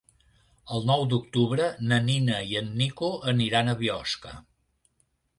El nou d'octubre na Nina i en Nico aniran a Biosca.